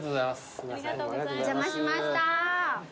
お邪魔しました。